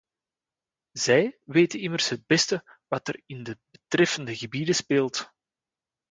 Zij weten immers het beste wat er in de betreffende gebieden speelt.